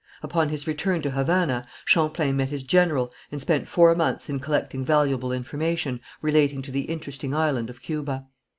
Upon his return to Havana Champlain met his general and spent four months in collecting valuable information relating to the interesting island of Cuba.